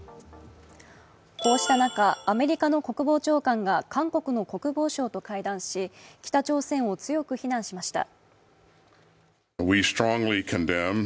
こうした中、アメリカの国防長官が韓国の国防相と会談し、北朝鮮を強く非難しました。